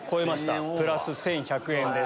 プラス１１００円です。